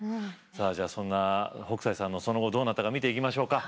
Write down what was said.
さあじゃあそんな北斎さんのその後どうなったか見ていきましょうか。